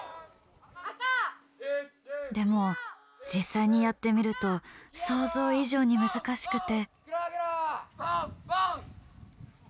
でも実際にやってみると想像以上に難しくて。